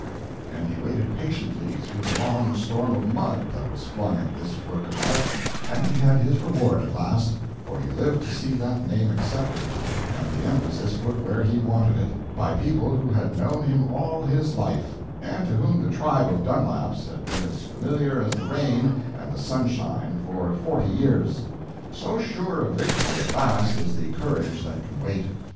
And he waited patiently through the long storm of mud that was flung at this work of art, and he had his reward at last; for he lived to see that name accepted, and the emphasis put where he wanted it, by people who had known him all his life, and to whom the tribe of Dunlaps had been as familiar as the rain and the sunshine for forty years. So sure of victory at last is the courage that can wait.